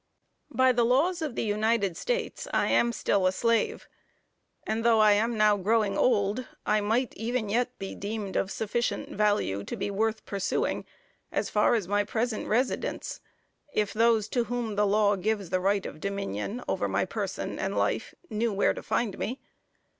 By the laws of the United States I am still a slave; and though I am now growing old, I might even yet be deemed of sufficient value to be worth pursuing as far as my present residence, if those to whom the law gives the right of dominion over my person and life, knew where to find me.